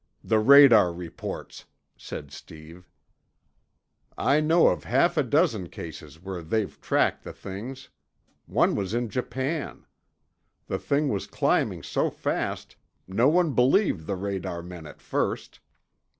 "The radar reports," said Steve. "I know of half a dozen cases where they've tracked the things. One was in Japan. The thing was climbing so fast no one believed the radarmen at first.